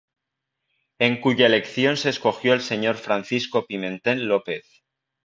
En cuya elección se escogió al Señor Francisco Pimentel López.